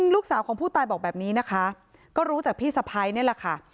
ลูกสาวของผู้ตายบอกแบบนี้นะคะก็รู้จากพี่สะพ้ายนี่แหละค่ะ